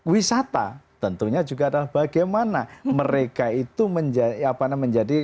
wisata tentunya juga adalah bagaimana mereka itu menjadi apa namanya menjadi